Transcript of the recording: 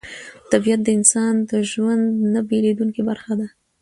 طبیعت د انسان د ژوند نه بېلېدونکې برخه ده